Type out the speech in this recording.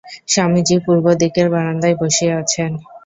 স্বামীজী পূর্বদিকের বারান্দায় বসিয়া আছেন।